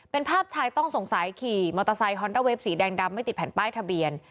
เป็นภาพชายต้องสงสัยขี่มอเตอร์ไซค์ฮอนด้าเวฟสีแดงดำไม่ติดแผ่นป้ายทะเบียน